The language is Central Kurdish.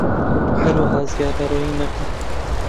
هەروەها زیادەڕەویی مەکە